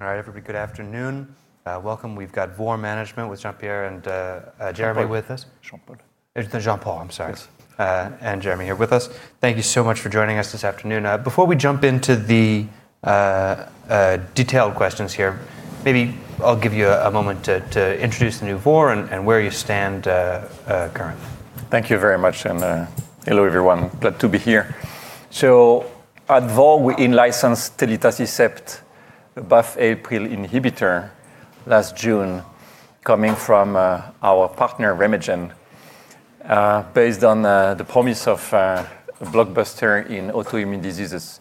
All right, everybody, good afternoon. Welcome. We've got VOR Management with Jean-Paul and Jeremy with us. Jean-Paul. Jean-Paul, I'm sorry. Yes. And Jeremy here with us. Thank you so much for joining us this afternoon. Before we jump into the detailed questions here, maybe I'll give you a moment to introduce the new VOR and where you stand currently. Thank you very much, and hello everyone. Glad to be here. So at VOR, we in-licensed telitacicept, a BAFF/APRIL inhibitor last June, coming from our partner RemeGen, based on the promise of a blockbuster in autoimmune diseases.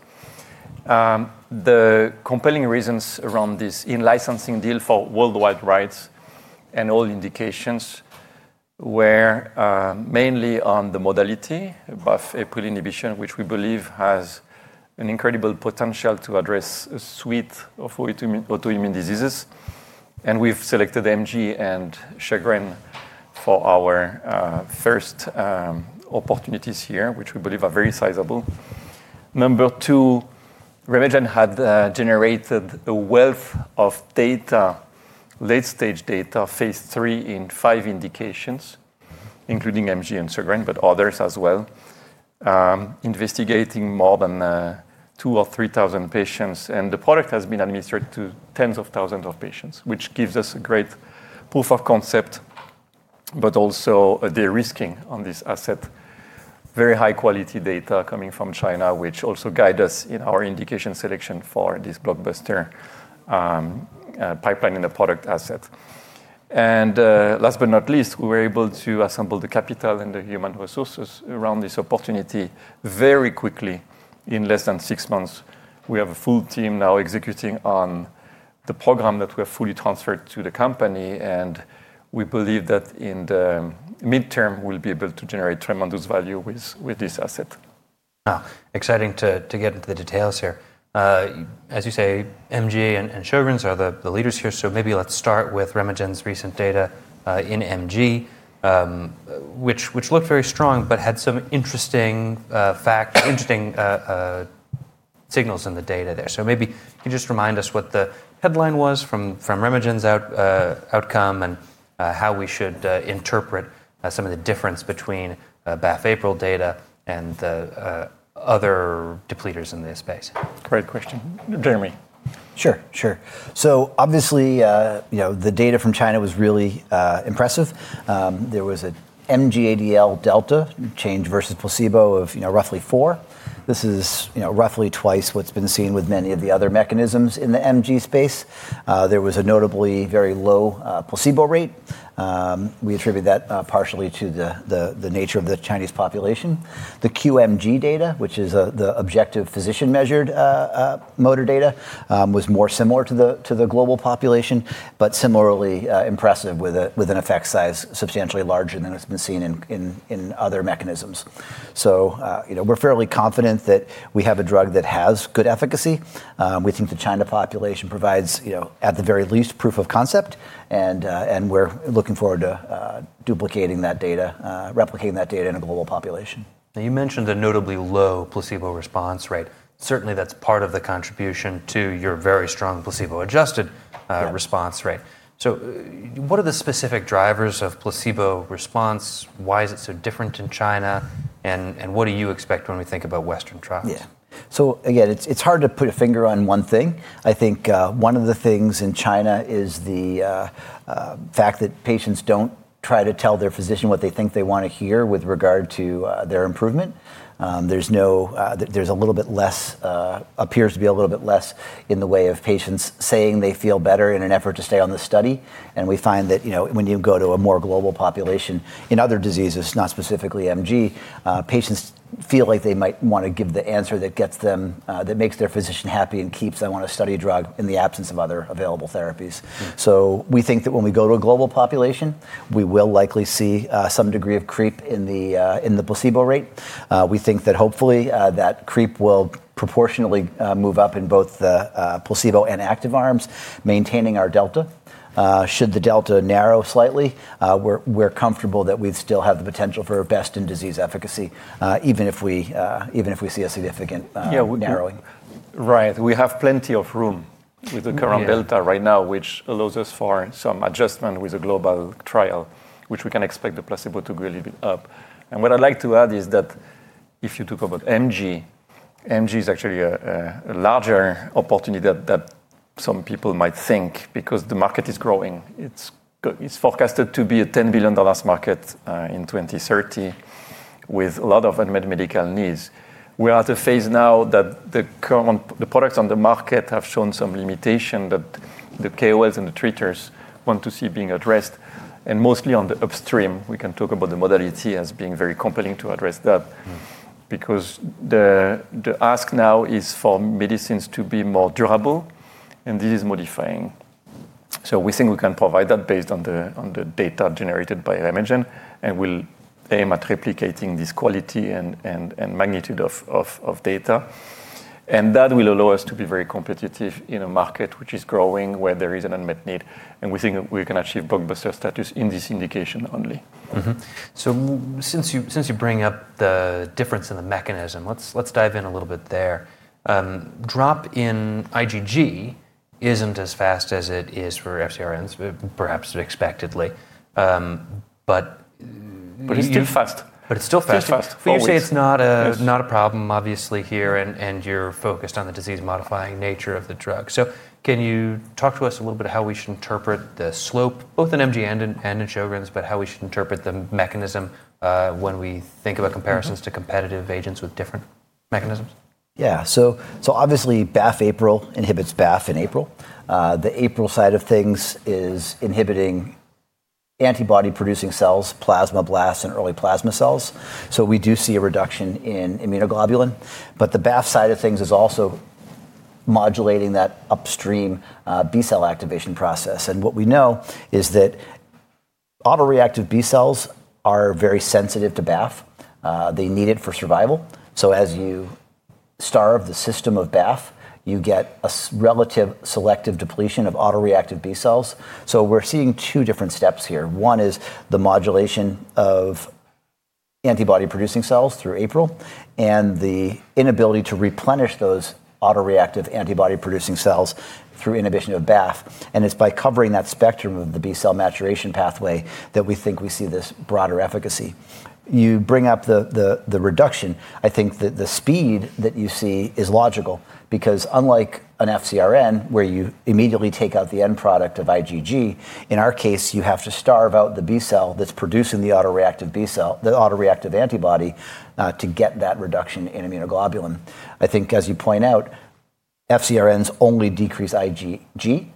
The compelling reasons around this in-licensing deal for worldwide rights and all indications were mainly on the modality of APRIL inhibition, which we believe has an incredible potential to address a suite of autoimmune diseases. And we've selected MG and Sjögren's for our first opportunities here, which we believe are very sizable. Number two, RemeGen had generated a wealth of data, late-stage data, phase 3 in five indications, including MG and Sjögren's but others as well, investigating more than 2,000 or 3,000 patients. And the product has been administered to tens of thousands of patients, which gives us a great proof of concept, but also a de-risking on this asset. Very high-quality data coming from China, which also guided us in our indication selection for this blockbuster pipeline in the product asset, and last but not least, we were able to assemble the capital and the human resources around this opportunity very quickly, in less than six months. We have a full team now executing on the program that we have fully transferred to the company, and we believe that in the midterm, we'll be able to generate tremendous value with this asset. Exciting to get into the details here. As you say, MG and Sjögren's are the leaders here. So maybe let's start with RemeGen's recent data in MG, which looked very strong but had some interesting facts, interesting signals in the data there. So maybe you can just remind us what the headline was from RemeGen's outcome and how we should interpret some of the difference between BAFF/APRIL data and other depleters in this space. Great question. Jeremy. Sure, sure. So obviously, the data from China was really impressive. There was an MG-ADL delta change versus placebo of roughly four. This is roughly twice what's been seen with many of the other mechanisms in the MG space. There was a notably very low placebo rate. We attribute that partially to the nature of the Chinese population. The QMG data, which is the objective physician-measured motor data, was more similar to the global population, but similarly impressive with an effect size substantially larger than has been seen in other mechanisms. So we're fairly confident that we have a drug that has good efficacy. We think the China population provides, at the very least, proof of concept, and we're looking forward to duplicating that data, replicating that data in a global population. Now, you mentioned a notably low placebo response rate. Certainly, that's part of the contribution to your very strong placebo-adjusted response rate. So what are the specific drivers of placebo response? Why is it so different in China? And what do you expect when we think about Western trials? Yeah. So again, it's hard to put a finger on one thing. I think one of the things in China is the fact that patients don't try to tell their physician what they think they want to hear with regard to their improvement. There's a little bit less, appears to be a little bit less in the way of patients saying they feel better in an effort to stay on the study. And we find that when you go to a more global population in other diseases, not specifically MG, patients feel like they might want to give the answer that makes their physician happy and keeps, "I want to study drug in the absence of other available therapies." So we think that when we go to a global population, we will likely see some degree of creep in the placebo rate. We think that hopefully that creep will proportionately move up in both the placebo and active arms, maintaining our delta. Should the delta narrow slightly, we're comfortable that we still have the potential for best-in-disease efficacy, even if we see a significant narrowing. Right. We have plenty of room with the current delta right now, which allows us for some adjustment with a global trial, which we can expect the placebo to really be up. And what I'd like to add is that if you talk about MG, MG is actually a larger opportunity than some people might think because the market is growing. It's forecasted to be a $10 billion market in 2030 with a lot of unmet medical needs. We're at a phase now that the products on the market have shown some limitation that the KOLs and the treaters want to see being addressed. And mostly on the upstream, we can talk about the modality as being very compelling to address that because the ask now is for medicines to be more durable, and this is modifying. So we think we can provide that based on the data generated by RemeGen, and we'll aim at replicating this quality and magnitude of data. And that will allow us to be very competitive in a market which is growing where there is an unmet need. And we think we can achieve blockbuster status in this indication only. So since you bring up the difference in the mechanism, let's dive in a little bit there. Drop in IgG isn't as fast as it is for FcRns, perhaps expectedly, but. But it's still fast. But it's still fast. But you say it's not a problem, obviously, here, and you're focused on the disease-modifying nature of the drug. So can you talk to us a little bit about how we should interpret the slope, both in MG and in Sjögren's, but how we should interpret the mechanism when we think about comparisons to competitive agents with different mechanisms? Yeah. So obviously, BAFF/APRIL inhibits BAFF and APRIL. The APRIL side of things is inhibiting antibody-producing cells, plasma blasts, and early plasma cells. So we do see a reduction in immunoglobulin. But the BAFF side of things is also modulating that upstream B-cell activation process. And what we know is that autoreactive B cells are very sensitive to BAFF. They need it for survival. So as you starve the system of BAFF, you get a relative selective depletion of autoreactive B cells. So we're seeing two different steps here. One is the modulation of antibody-producing cells through APRIL and the inability to replenish those autoreactive antibody-producing cells through inhibition of BAFF. And it's by covering that spectrum of the B-cell maturation pathway that we think we see this broader efficacy. You bring up the reduction. I think that the speed that you see is logical because unlike an FcRn where you immediately take out the end product of IgG, in our case, you have to starve out the B-cell that's producing the autoreactive antibody to get that reduction in immunoglobulin. I think, as you point out, FcRns only decrease IgG.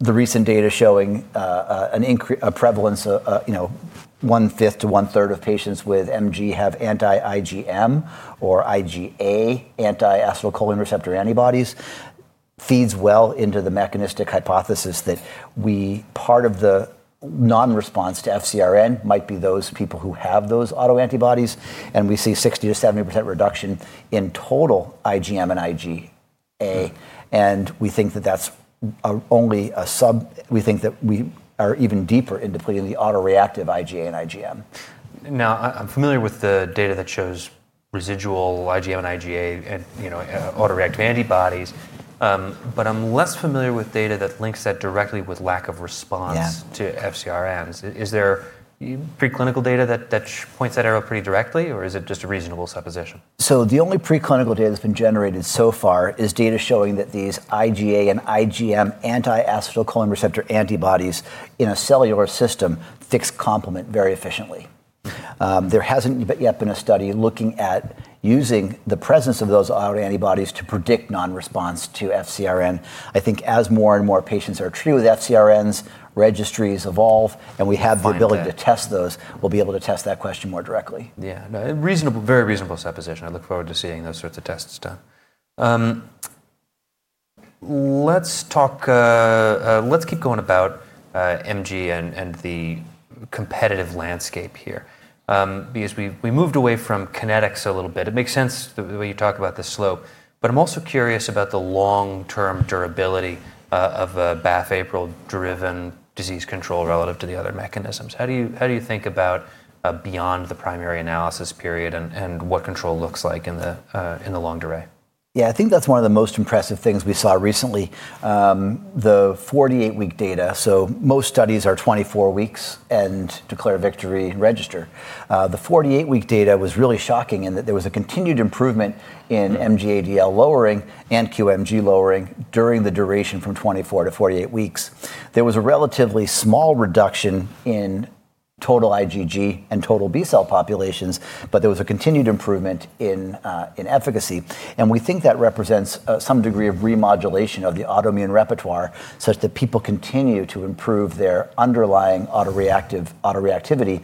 The recent data showing a prevalence, one-fifth to one-third of patients with MG have anti-IgM or IgA anti-acetylcholine receptor antibodies fits well into the mechanistic hypothesis that part of the nonresponse to FcRn might be those people who have those autoantibodies. And we see 60%-70% reduction in total IgM and IgA. And we think that that's only a subset. We think that we are even deeper in depleting the autoreactive IgA and IgM. Now, I'm familiar with the data that shows residual IgM and IgA autoreactive antibodies, but I'm less familiar with data that links that directly with lack of response to FcRns. Is there preclinical data that points that arrow pretty directly, or is it just a reasonable supposition? So the only preclinical data that's been generated so far is data showing that these IgA and IgM anti-acetylcholine receptor antibodies in a cellular system fix complement very efficiently. There hasn't yet been a study looking at using the presence of those autoantibodies to predict nonresponse to FcRn. I think as more and more patients are treated with FcRns, registries evolve, and we have the ability to test those, we'll be able to test that question more directly. Yeah. Very reasonable supposition. I look forward to seeing those sorts of tests done. Let's keep going about MG and the competitive landscape here because we moved away from kinetics a little bit. It makes sense the way you talk about the slope. But I'm also curious about the long-term durability of BAFF/APRIL-driven disease control relative to the other mechanisms. How do you think about beyond the primary analysis period and what control looks like in the longer term? Yeah, I think that's one of the most impressive things we saw recently, the 48-week data. So most studies are 24 weeks and declare victory register. The 48-week data was really shocking in that there was a continued improvement in MG-ADL lowering and QMG lowering during the duration from 24 to 48 weeks. There was a relatively small reduction in total IgG and total B-cell populations, but there was a continued improvement in efficacy. And we think that represents some degree of remodulation of the autoimmune repertoire such that people continue to improve their underlying autoreactive autoreactivity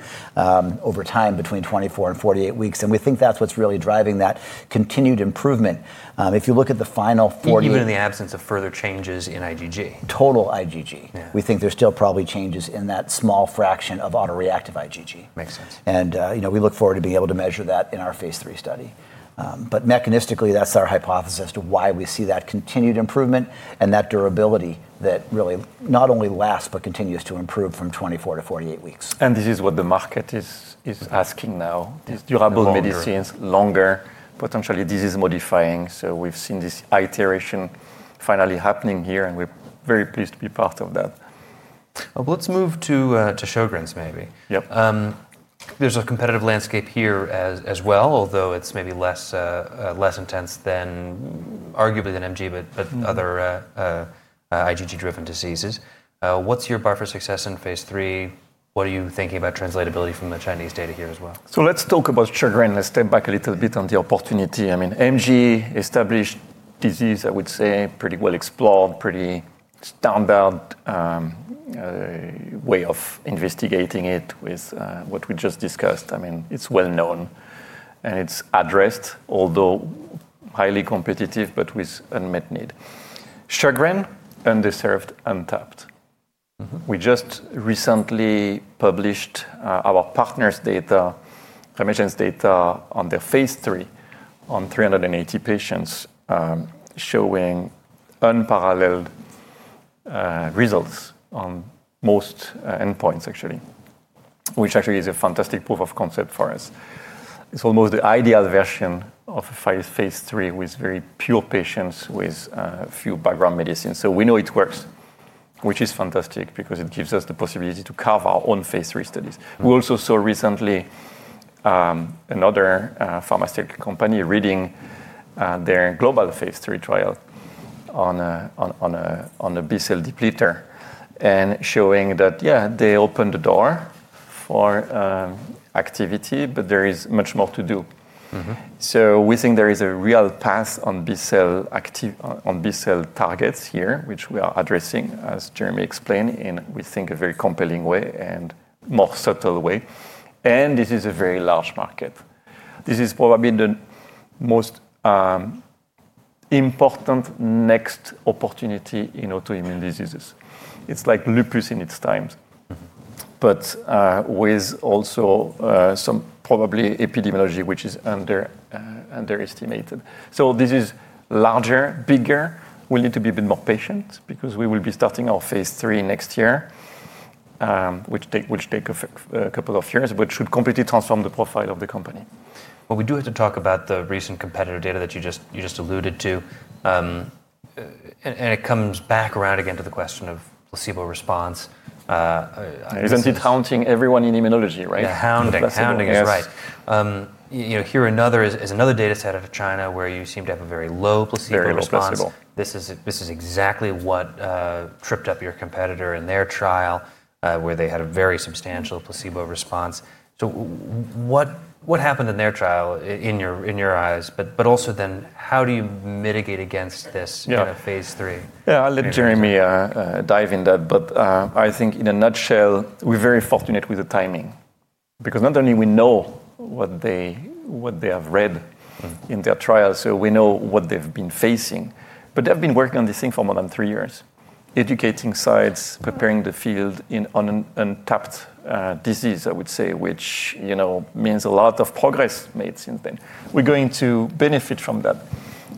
over time between 24 and 48 weeks. And we think that's what's really driving that continued improvement. If you look at the final 48. Even in the absence of further changes in IgG. Total IgG, we think there's still probably changes in that small fraction of autoreactive IgG. Makes sense. We look forward to being able to measure that in our phase 3 study. Mechanistically, that's our hypothesis as to why we see that continued improvement and that durability that really not only lasts but continues to improve from 24 to 48 weeks. And this is what the market is asking now, these durable medicines, longer, potentially disease-modifying. So we've seen this iteration finally happening here, and we're very pleased to be part of that. Let's move to Sjögren's maybe. There's a competitive landscape here as well, although it's maybe less intense than arguably than MG but other IgG-driven diseases. What's your bar for success in phase 3? What are you thinking about translatability from the Chinese data here as well? So let's talk about Sjögren's and step back a little bit on the opportunity. I mean, MG established disease, I would say, pretty well explored, pretty standard way of investigating it with what we just discussed. I mean, it's well known, and it's addressed, although highly competitive, but with unmet need. Sjögren's underserved, untapped. We just recently published our partner's data, RemeGen's data on their phase 3 on 380 patients showing unparalleled results on most endpoints, actually, which actually is a fantastic proof of concept for us. It's almost the ideal version of a phase 3 with very pure patients with few background medicines. So we know it works, which is fantastic because it gives us the possibility to carve our own phase 3 studies. We also saw recently another pharmaceutical company readout of their global phase 3 trial on a B-cell depleter and showing that, yeah, they opened the door for activity, but there is much more to do. So we think there is a real path on B-cell targets here, which we are addressing, as Jeremy explained, in, we think, a very compelling way and more subtle way. And this is a very large market. This is probably the most important next opportunity in autoimmune diseases. It's like lupus in its times, but with also some probably epidemiology, which is underestimated. So this is larger, bigger. We need to be a bit more patient because we will be starting our phase 3 next year, which takes a couple of years, but should completely transform the profile of the company. We do have to talk about the recent competitor data that you just alluded to. It comes back around again to the question of placebo response. Isn't it haunting everyone in immunology, right? The hounding is right. Here is another data set out of China where you seem to have a very low placebo response. This is exactly what tripped up your competitor in their trial where they had a very substantial placebo response. So what happened in their trial in your eyes? But also then how do you mitigate against this phase 3? Yeah, I'll let Jeremy dive in that. But I think in a nutshell, we're very fortunate with the timing because not only we know what they have read in their trial, so we know what they've been facing. But they have been working on this thing for more than three years, educating sites, preparing the field in untapped disease, I would say, which means a lot of progress made since then. We're going to benefit from that.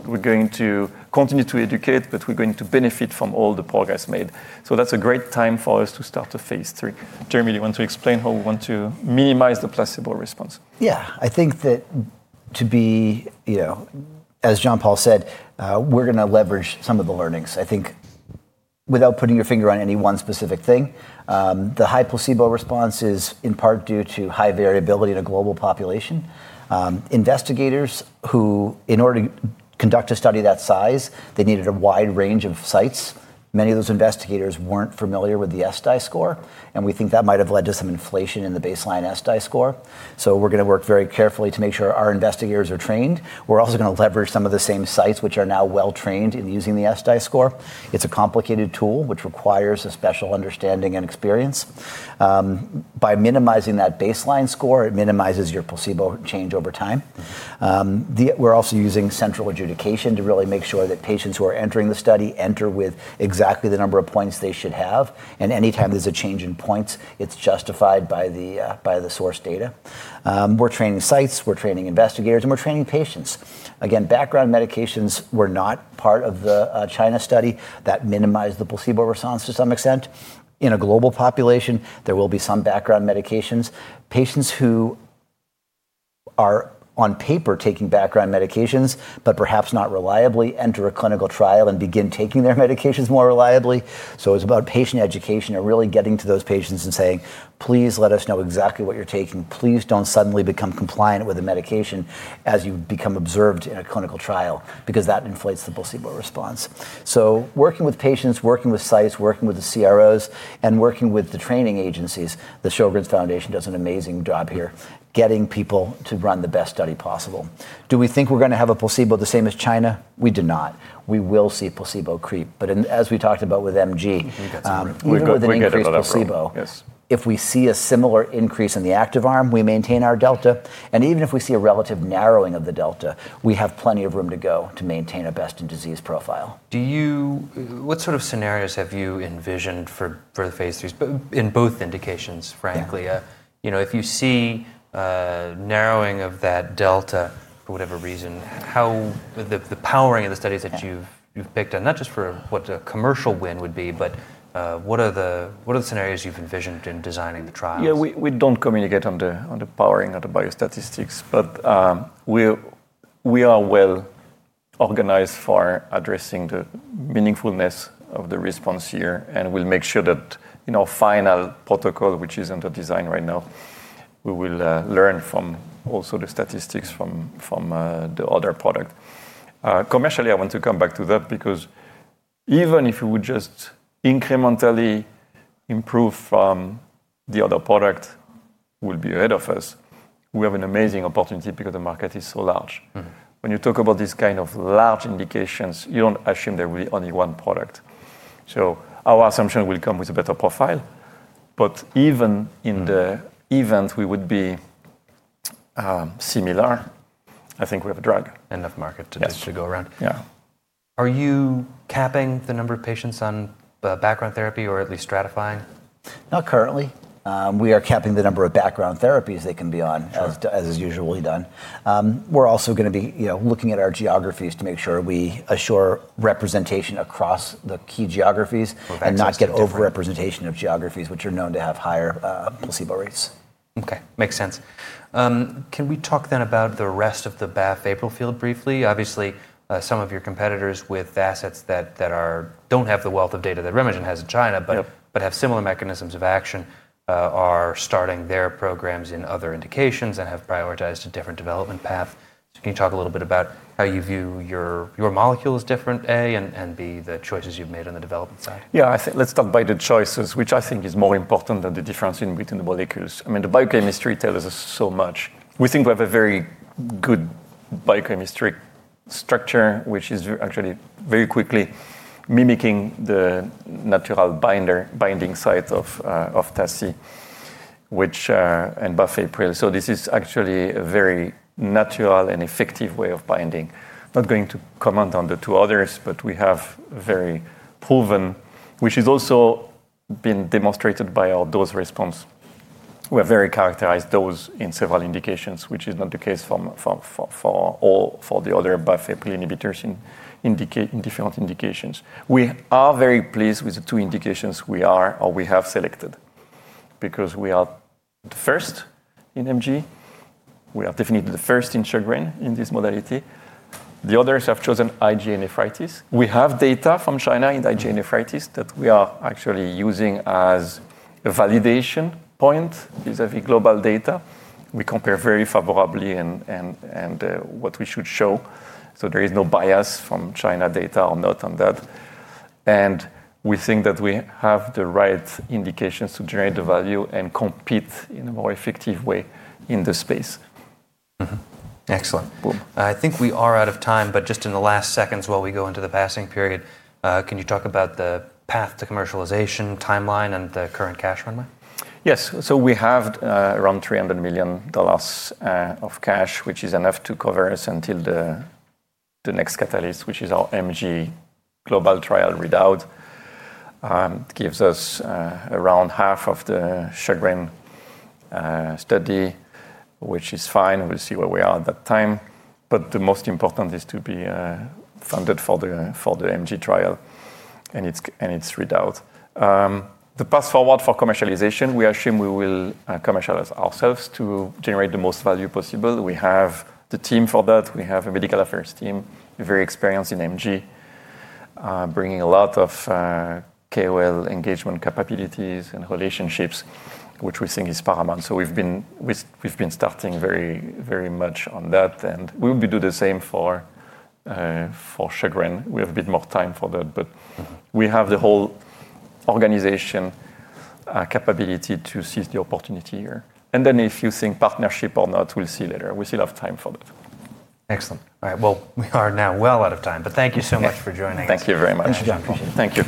We're going to continue to educate, but we're going to benefit from all the progress made. So that's a great time for us to start a phase three. Jeremy, do you want to explain how we want to minimize the placebo response? Yeah. I think that to be, as Jean-Paul said, we're going to leverage some of the learnings. I think without putting your finger on any one specific thing, the high placebo response is in part due to high variability in a global population. Investigators who, in order to conduct a study that size, they needed a wide range of sites. Many of those investigators weren't familiar with the SDI score, and we think that might have led to some inflation in the baseline SDI score. So we're going to work very carefully to make sure our investigators are trained. We're also going to leverage some of the same sites which are now well-trained in using the SDI score. It's a complicated tool which requires a special understanding and experience. By minimizing that baseline score, it minimizes your placebo change over time. We're also using central adjudication to really make sure that patients who are entering the study enter with exactly the number of points they should have, and anytime there's a change in points, it's justified by the source data. We're training sites. We're training investigators, and we're training patients. Again, background medications were not part of the China study that minimized the placebo response to some extent. In a global population, there will be some background medications. Patients who are, on paper, taking background medications but perhaps not reliably enter a clinical trial and begin taking their medications more reliably, so it's about patient education and really getting to those patients and saying, "Please let us know exactly what you're taking. Please don't suddenly become compliant with the medication as you become observed in a clinical trial because that inflates the placebo response," so working with patients, working with sites, working with the CROs, and working with the training agencies, the Sjögren's Foundation does an amazing job here getting people to run the best study possible. Do we think we're going to have a placebo the same as China? We do not. We will see placebo creep. But as we talked about with MG, we're going to get placebo. If we see a similar increase in the active arm, we maintain our delta. And even if we see a relative narrowing of the delta, we have plenty of room to go to maintain a best-in-disease profile. What sort of scenarios have you envisioned for the phase three in both indications, frankly? If you see narrowing of that delta for whatever reason, the powering of the studies that you've picked on, not just for what a commercial win would be, but what are the scenarios you've envisioned in designing the trials? Yeah, we don't communicate on the powering or the biostatistics, but we are well organized for addressing the meaningfulness of the response here, and we'll make sure that in our final protocol, which is under design right now, we will learn from also the statistics from the other product. Commercially, I want to come back to that because even if we would just incrementally improve from the other product we'll be ahead of it, we have an amazing opportunity because the market is so large. When you talk about these kind of large indications, you don't assume there will be only one product. Our assumption will come with a better profile, but even in the event we would be similar, I think we have an edge. Enough market to go around. Yeah. Are you capping the number of patients on background therapy or at least stratifying? Not currently. We are capping the number of background therapies they can be on as is usually done. We're also going to be looking at our geographies to make sure we assure representation across the key geographies and not get overrepresentation of geographies which are known to have higher placebo rates. Okay. Makes sense. Can we talk then about the rest of the BAFF/APRIL field briefly? Obviously, some of your competitors with assets that don't have the wealth of data that RemeGen has in China but have similar mechanisms of action are starting their programs in other indications and have prioritized a different development path. Can you talk a little bit about how you view your molecules different A and B, the choices you've made on the development side? Yeah, I think let's talk about the choices, which I think is more important than the difference in between the molecules. I mean, the biochemistry tells us so much. We think we have a very good biochemistry structure, which is actually very quickly mimicking the natural binding site of TACI and BAFF/APRIL. So this is actually a very natural and effective way of binding. Not going to comment on the two others, but we have very proven, which has also been demonstrated by our dose response. We have very characterized dose in several indications, which is not the case for all the other BAFF/APRIL inhibitors in different indications. We are very pleased with the two indications we have selected because we are the first in MG. We are definitely the first in Sjögren's in this modality. The others have chosen IgA nephritis. We have data from China in IgA nephritis that we are actually using as a validation point vis-à-vis global data. We compare very favorably and what we should show, so there is no bias from China data, or not, on that, and we think that we have the right indications to generate the value and compete in a more effective way in the space. Excellent. I think we are out of time, but just in the last seconds while we go into the passing period, can you talk about the path to commercialization timeline and the current cash runway? Yes. So we have around $300 million of cash, which is enough to cover us until the next catalyst, which is our MG global trial readout. It gives us around half of the Sjögren's study, which is fine. We'll see where we are at that time. But the most important is to be funded for the MG trial and its readout. The path forward for commercialization, we assume we will commercialize ourselves to generate the most value possible. We have the team for that. We have a medical affairs team, very experienced in MG, bringing a lot of KOL engagement capabilities and relationships, which we think is paramount. So we've been starting very much on that. And we will do the same for Sjögren's. We have a bit more time for that, but we have the whole organization capability to seize the opportunity here. And then, if you think partnership or not, we'll see later. We still have time for that. Excellent. All right. Well, we are now well out of time, but thank you so much for joining us. Thank you very much. Thank you.